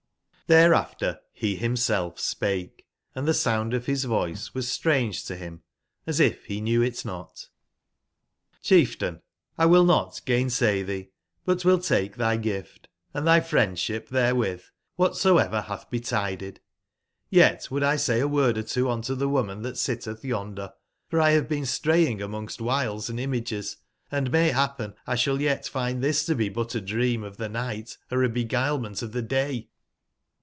'' jneReHfXreR he himself spake, and the sound of his voice was strange to him and as if he hnew it not: ''Chieftain, 1 will not gainsay thee, but will take thy gift, & thy friendship therewith, whatsoever hath betided. Yet would X say a word or two unto the woman that sitteth yonder, for 1 have been straying amongst wiles & images, &mayhappen 1 shall yet find this to be but a dream of the night, or a beguilement of the day."